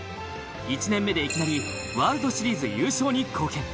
１年目でいきなりワールドシリーズ優勝に貢献。